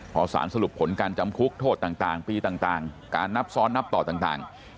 พอสารสรุปผลการจำคุกโทษต่างปีต่างการนับซ้อนนับต่อต่าง